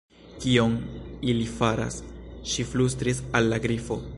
"Kion ili faras?" ŝi flustris al la Grifo.